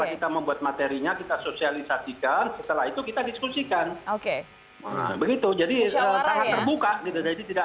kita membuat materinya kita sosialisasikan setelah itu kita diskusikan oke begitu jadi terbuka tidak